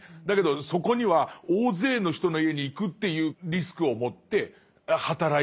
だけどそこには大勢の人の家に行くっていうリスクを持って働いてる。